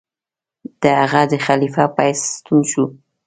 د هغه د خلیفه په حیث ستون شو.